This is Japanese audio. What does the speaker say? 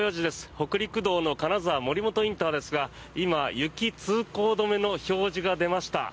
北陸道の金沢森本ＩＣですが今、雪通行止めの表示が出ました。